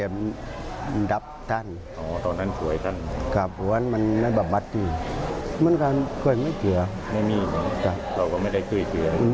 มันก็ค่อยไม่เคลื่อน